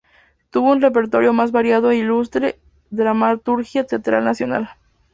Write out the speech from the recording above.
Tuvo un repertorio más variado e ilustre dramaturgia teatral nacional.